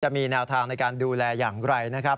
มีแนวทางในการดูแลอย่างไรนะครับ